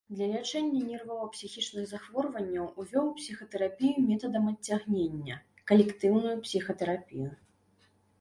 Для лячэння нервова-псіхічных захворванняў увёў псіхатэрапію метадам адцягнення, калектыўную псіхатэрапію.